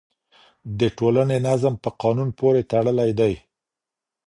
د ټولني نظم په قانون پورې تړلی دی.